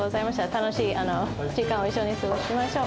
楽しい時間を一緒に過ごしましょう。